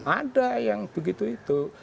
ada yang begitu itu